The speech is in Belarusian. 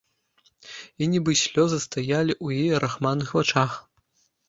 І нібы слёзы стаялі ў яе рахманых вачах.